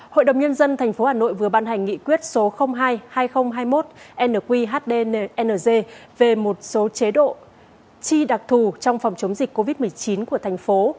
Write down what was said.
hội đồng nhân dân tp hà nội vừa ban hành nghị quyết số hai hai nghìn hai mươi một nqhdnz về một số chế độ chi đặc thù trong phòng chống dịch covid một mươi chín của thành phố